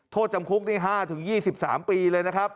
โทษจำคุกนี่๕๒๓ปีเลยนะครับ